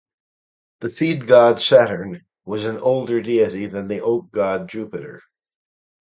The seed-god Saturn was an older deity than the oak-god Jupiter.